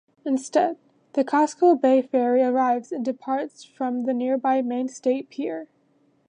Instead, the Casco Bay Ferry arrives and departs from the nearby Maine State Pier.